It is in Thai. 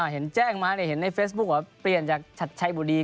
เห็นแจ้งมาเห็นในเฟซบุ๊คว่าเปลี่ยนจากชัดชัยบุรี